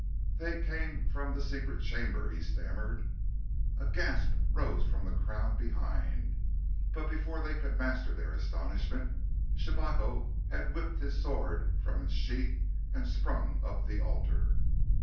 "They came from the secret chamber," he stammered. A gasp rose from the crowd behind. But before they could master their astonishment, Shabako had whipped his sword from its sheath and sprung up the altar.